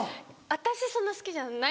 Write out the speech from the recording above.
私そんな好きじゃない。